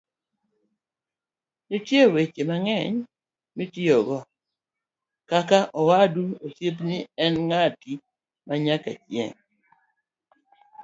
nitie weche mang'eny mitiekogo kaka;'owadu, osiepni, an ng'ati manyakachieng'